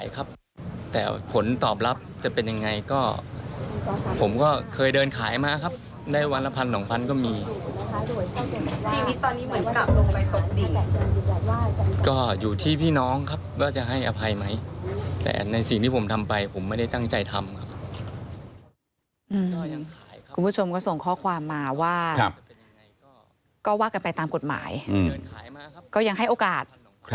คุณผู้ชมก็ส่งข้อความมาว่ากันไปตามกฎหมายก็ยังให้โอกาส